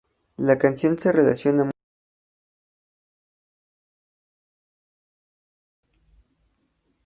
La canción se relaciona mucho con el escritor peruano Carlos Castañeda.